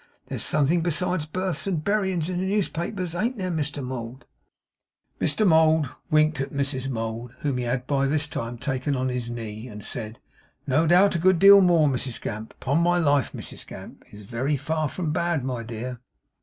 'There's something besides births and berryins in the newspapers, an't there, Mr Mould?' Mr Mould winked at Mrs Mould, whom he had by this time taken on his knee, and said: 'No doubt. A good deal more, Mrs Gamp. Upon my life, Mrs Gamp is very far from bad, my dear!